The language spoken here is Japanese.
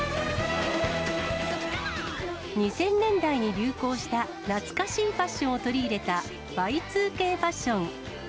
２０００年代に流行した懐かしいファッションを取り入れた、Ｙ２Ｋファッション。